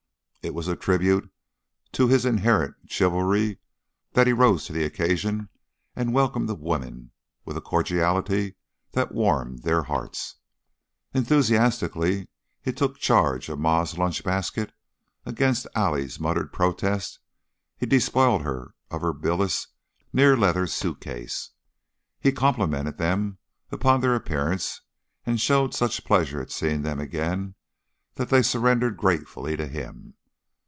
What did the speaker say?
It was a tribute to his inherent chivalry that he rose to the occasion and welcomed the women with a cordiality that warmed their hearts. Enthusiastically he took charge of Ma's lunch basket; against Allie's muttered protest he despoiled her of her bilious, near leather suitcase; he complimented them upon their appearance and showed such pleasure at seeing them again that they surrendered gratefully to him.